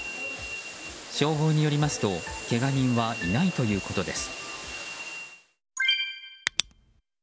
消防によりますとけが人はいないということです。